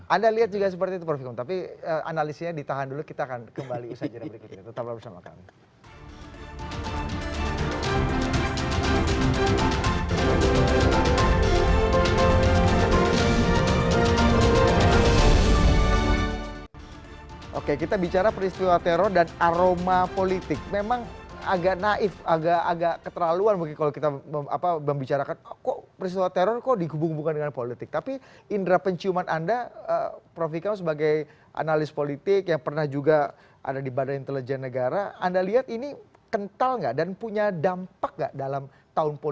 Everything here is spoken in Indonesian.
anda lihat juga seperti itu prof fikung tapi analisinya ditahan dulu